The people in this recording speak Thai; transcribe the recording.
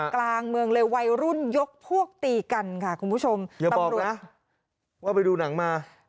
กลางเมืองเลยวัยรุ่นยกพวกตีกันค่ะคุณผู้ชมตำรวจนะว่าไปดูหนังมา